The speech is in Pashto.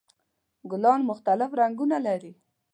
ګلان مختلف رنګونه لري.